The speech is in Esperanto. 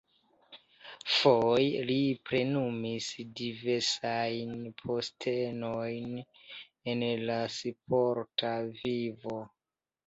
Foje li plenumis diversajn postenojn en la sporta vivo.